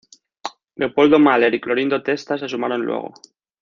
Leopoldo Maler y Clorindo Testa se sumaron luego.